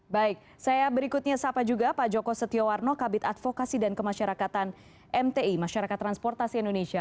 baik saya berikutnya sapa juga pak joko setiawarno kabit advokasi dan kemasyarakatan mti masyarakat transportasi indonesia